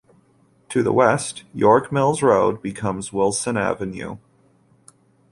To the west, York Mills Road becomes Wilson Avenue.